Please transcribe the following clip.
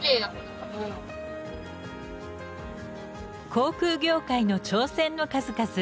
航空業界の挑戦の数々。